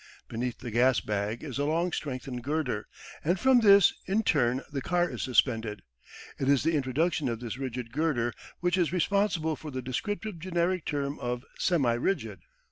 Beneath the gas bag is a long strengthened girder, and from this in turn the car is suspended. It is the introduction of this rigid girder which is responsible for the descriptive generic term of "semi rigid."